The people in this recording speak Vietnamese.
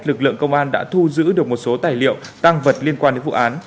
lực lượng công an đã thu giữ được một số tài liệu tăng vật liên quan đến vụ án